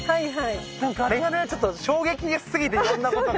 なんかあれがねちょっと衝撃すぎていろんなことが。